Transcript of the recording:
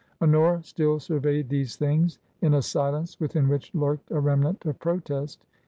Honora still surveyed these things in a silence within which lurked a remnant of protest.